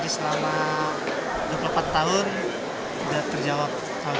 selama dua puluh empat tahun tidak terjawab